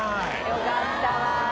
よかったわ。